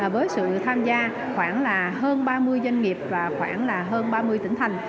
với sự tham gia khoảng là hơn ba mươi doanh nghiệp và khoảng hơn ba mươi tỉnh thành